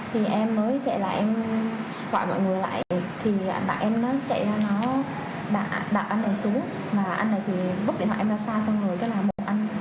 thì em nói chạy lại em gọi mọi người lại thì anh bạn em nó chạy ra nó đã đặt anh này xuống mà anh này thì bút điện thoại em ra xa xong rồi